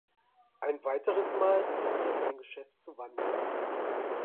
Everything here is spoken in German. Ein weiteres Mal begann er sein Geschäft zu wandeln.